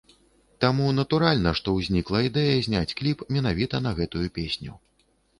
Таму натуральна, што ўзнікла ідэя зняць кліп менавіта на гэтую песню.